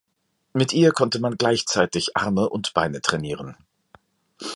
Mit ihr konnte man gleichzeitig Arme und Beine trainieren.